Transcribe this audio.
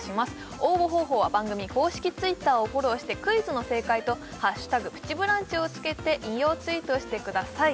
応募方法は番組公式Ｔｗｉｔｔｅｒをフォローしてクイズの正解と「＃プチブランチ」をつけて引用ツイートしてください